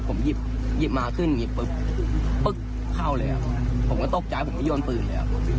ผมหยิบหยิบมาขึ้นหยิบปึ๊บเข้าเลยอ่ะผมก็ตกใจผมก็ย้อนปืนเลยอ่ะ